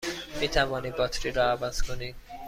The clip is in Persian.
می توانید باتری را عوض کنید؟